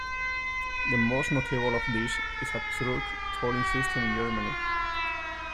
The most notable of these is a truck tolling system in Germany.